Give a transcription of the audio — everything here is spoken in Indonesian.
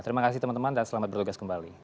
terima kasih teman teman dan selamat bertugas kembali